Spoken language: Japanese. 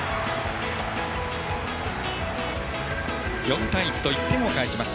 ４対１と１点を返します。